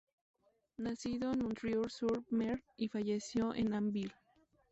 Nacido en Montreuil-sur-Mer y fallecido en Abbeville.